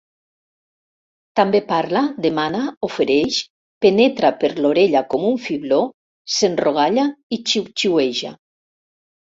També parla, demana, ofereix, penetra per l'orella com un fibló, s'enrogalla i xiuxiueja.